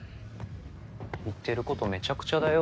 言ってることめちゃくちゃだよ？